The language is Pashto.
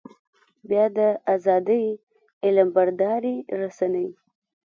بيا د ازادۍ علمبردارې رسنۍ.